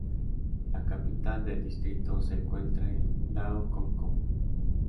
La capital del distrito se encuentra en Dao Con Co.